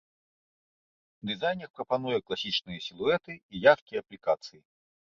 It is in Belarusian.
Дызайнер прапануе класічныя сілуэты і яркія аплікацыі.